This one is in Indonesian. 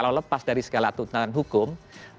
kalau lepas dari segala tuntutan hukum terbukti ternyata